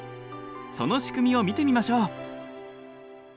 その仕組みを見てみましょう。